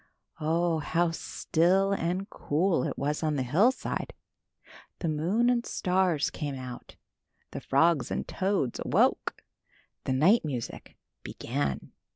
Oh, how still and cool it was on the hillside! The moon and stars came out. The frogs and toads awoke. The night music began.